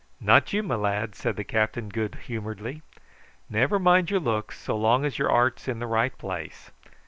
"Not you, my lad," said the captain good humouredly. "Never mind your looks so long as your 'art's in the right place.